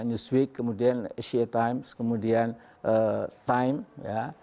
newsweek kemudian asia times kemudian time ya